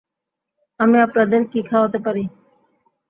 আমি আপনাদের কি খাওয়াতে পারি?